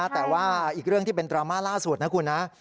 แต่ว่าอีกเรื่องที่เป็นดราม่าล่าสุดนะคุณนะ